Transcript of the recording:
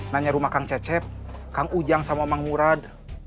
nanya rumah kang cecep kang ujang sama mang murad